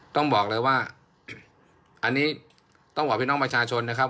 ต้องบอกเลยว่าอันนี้ต้องบอกพี่น้องประชาชนนะครับ